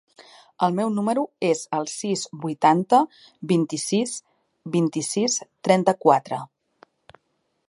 El meu número es el sis, vuitanta, vint-i-sis, vint-i-sis, trenta-quatre.